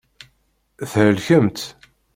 Thelkemt.